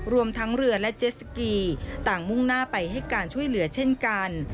รวมทั้งเรือและเจสสกีต่างมุ่งหน้าไปให้การช่วยเหลือเช่นกัน